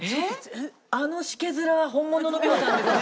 あのシケ面は本物の美穂さんですね。